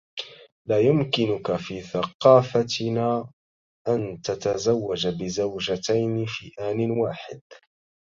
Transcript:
لا يمكنك في ثقافتنا أن تتزوج بزوجتين في آن واحد.